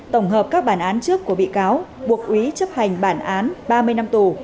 tổng hợp các bản án trước của bị cáo buộc úy chấp hành bản án ba mươi năm tù